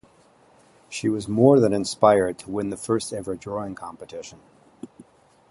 She was more than inspired to win the first ever drawing competition.